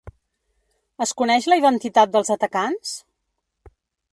Es coneix la identitat dels atacants?